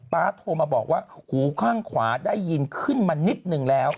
๊าโทรมาบอกว่าหูข้างขวาได้ยินขึ้นมานิดนึงแล้ว